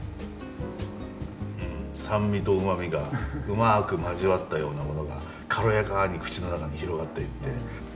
酸味とうまみがうまく交わったようなものが軽やかに口の中に広がっていって。